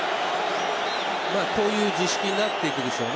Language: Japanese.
こういう図式になっていくでしょうね。